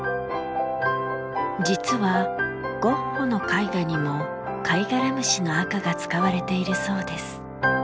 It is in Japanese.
実はゴッホの絵画にもカイガラムシの赤が使われているそうです。